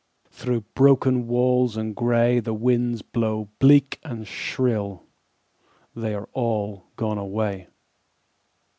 Through broken walls and gray The winds blow bleak and shrill: They are all gone away.